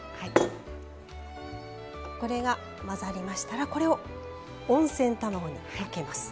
これが混ざりましたらこれを温泉卵にかけます。